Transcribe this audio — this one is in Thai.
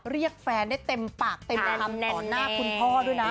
เรียกแฟนได้เต็มปากเต็มคำต่อหน้าคุณพ่อด้วยนะ